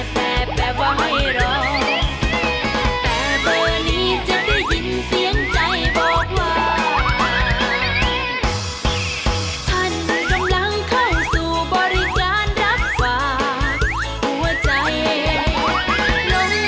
เบอร์โชว์อื่นจะได้ยินเสียงรอซ้ายแปรแปรแปรว่าให้รอ